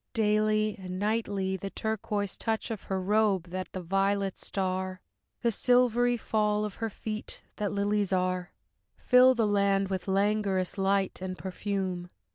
Daily and nightly The turquoise touch of her robe, that the violets star, The silvery fall of her feet, that lilies are, Fill the land with languorous light and perfume.